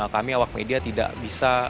kami awak media tidak bisa